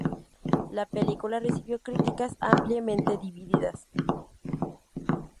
La película recibió críticas ampliamente divididas.